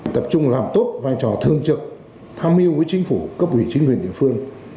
tập trung làm tốt vai trò thương trực tham hiu với chính phủ cấp ủy chính quyền địa phương